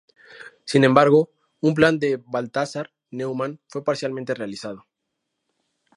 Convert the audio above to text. Sin embargo, un plan de Balthasar Neumann fue parcialmente realizado.